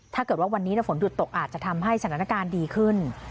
ถ้าเกิดว่าวันนี้ฝนหยุดตกอาจจะทำให้สถานการณ์ดีขึ้น